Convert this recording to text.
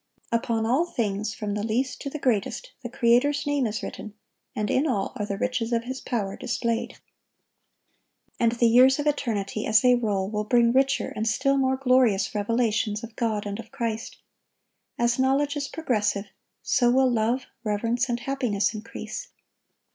Upon all things, from the least to the greatest, the Creator's name is written, and in all are the riches of His power displayed. And the years of eternity, as they roll, will bring richer and still more glorious revelations of God and of Christ. As knowledge is progressive, so will love, reverence, and happiness increase.